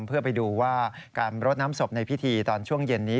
เพื่อไปดูว่าการรดน้ำศพในพิธีตอนช่วงเย็นนี้